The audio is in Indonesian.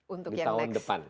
untuk yang next